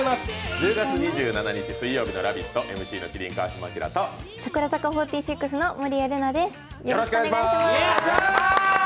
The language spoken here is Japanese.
１０月２７日水曜日の「ラヴィット！」、ＭＣの麒麟・川島明と櫻坂４６の守屋麗奈です。